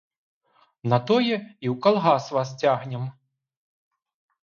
На тое і ў калгас вас цягнем.